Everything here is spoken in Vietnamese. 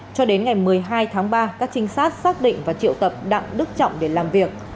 cho đến ngày một mươi hai tháng ba các trinh sát xác định và triệu tập đặng đức trọng để làm việc